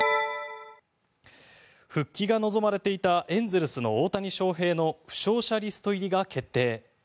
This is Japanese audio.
復帰が望まれていたエンゼルスの大谷翔平の負傷者リスト入りが決定。